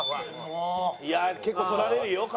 いやあ結構取られるよ。